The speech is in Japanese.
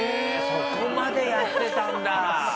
そこまでやってたんだ。